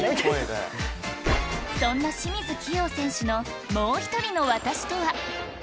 そんな清水希容選手の「もうひとりのワタシ。」とは？